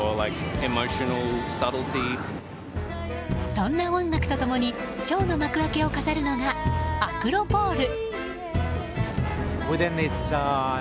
そんな音楽と共にショーの幕開けを飾るのがアクロ・ポール。